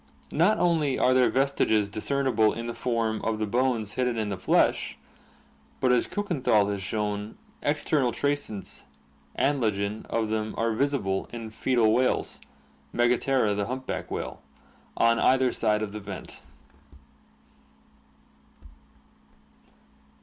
Not only are their vestiges discernible in the form of the bones hidden in the flesh, but as Kukenthal has shown, external traces (Anlagen) of them are visible in foetal whales (Megaptera, the humpback whale) on either side of the vent.